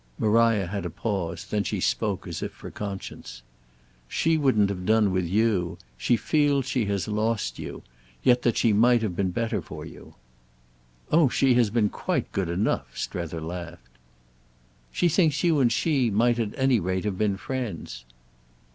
Maria had a pause; then she spoke as if for conscience. "She wouldn't have done with you. She feels she has lost you—yet that she might have been better for you." "Oh she has been quite good enough!" Strether laughed. "She thinks you and she might at any rate have been friends."